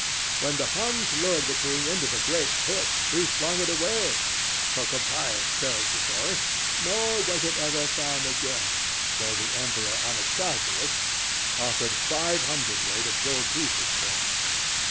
When the Huns lured the king into the great pit, he flung it away—Procopius tells the story—nor was it ever found again, though the Emperor Anastasius offered five hundred weight of gold pieces for it.